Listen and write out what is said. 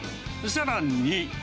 さらに。